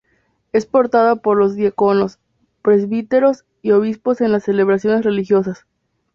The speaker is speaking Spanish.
Es portada por los diáconos, presbíteros y obispos en las celebraciones religiosas.